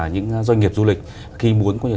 những doanh nghiệp du lịch khi muốn